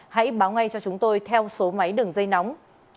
hãy báo ngay cho chúng tôi theo số máy đường dây nóng